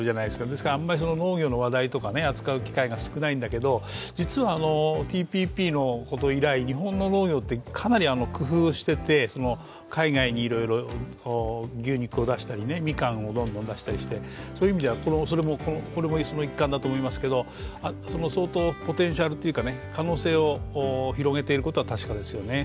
ですからあんまり農業の話題とか扱う機会って少ないんだけど実は、ＴＰＰの報道以来、日本の農業はかなり工夫をしていて、海外にいろいろ牛肉を出したりねみかんをどんどん出したりして、そういう意味ではこれもその一環だと思いますけどその相当、ポテンシャルというか、可能性を広げていることは確かですよね。